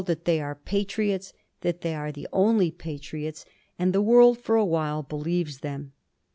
that they are patriots, that they are the only patriots, and the world for a while believes them.